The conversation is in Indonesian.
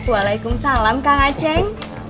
waalaikumsalam kang aceh